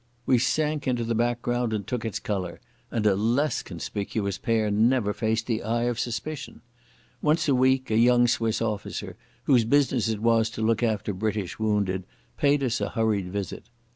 We sank into the background and took its colour, and a less conspicuous pair never faced the eye of suspicion. Once a week a young Swiss officer, whose business it was to look after British wounded, paid us a hurried visit.